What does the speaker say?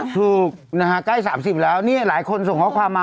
ถูกนะฮะใกล้๓๐แล้วเนี่ยหลายคนส่งข้อความมา